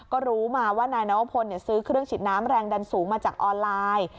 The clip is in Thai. ก็รู้มาว่านายนวพลซื้อเครื่องฉีดน้ำแรงดันสูงมาจากออนไลน์